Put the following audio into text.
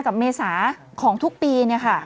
กับเมษาของทุกปี